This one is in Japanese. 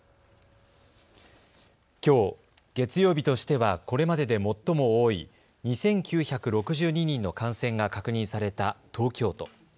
きょう、月曜日としてはこれまでで最も多い２９６２人の感染が確認された東京都。